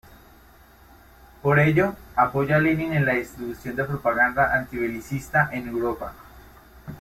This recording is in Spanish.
Por ello, apoyó a Lenin en la distribución de propaganda antibelicista en Europa.